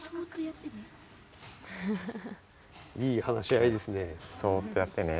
いい話し合いですね。